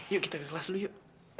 yuk kita ke kelas dulu yuk